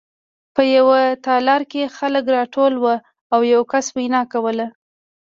په یوه تالار کې خلک راټول وو او یو کس وینا کوله